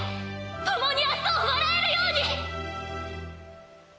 共に明日を笑えるように。